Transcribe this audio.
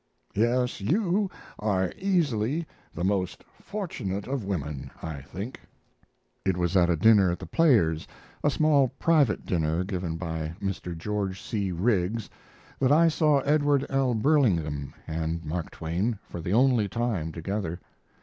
Yes, you are easily the most fortunate of women, I think."] It was at a dinner at The Players a small, private dinner given by Mr. George C. Riggs that I saw Edward L. Burlingame and Mark Twain for the only time together.